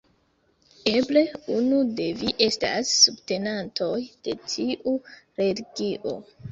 Eble unu de vi estas subtenantoj de tiu religio.